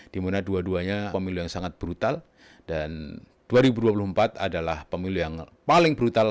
dimana dua duanya pemilu yang sangat brutal dan dua ribu dua puluh empat adalah pemilu yang paling brutal